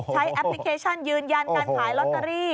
แอปพลิเคชันยืนยันการขายลอตเตอรี่